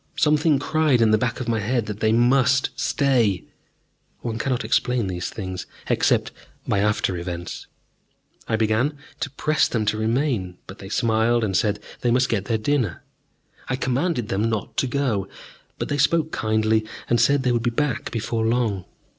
Something cried in the back of my head that they must stay one cannot explain these things, except by after events. I began to press them to remain, but they smiled and said they must get their dinner. I commanded them not to go; but they spoke kindly and said they would be back before long.